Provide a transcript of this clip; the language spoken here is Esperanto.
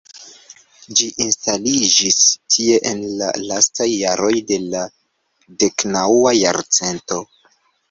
Ĝi instaliĝis tie en la lastaj jaroj de la deknaŭa jarcento.